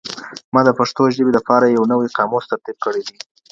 ما د پښتو ژبي دپاره یو نوی قاموس ترتیب کړی دی